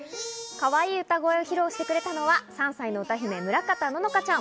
かわいい歌声を披露してくれたのは３歳の歌姫・村方乃々佳ちゃん。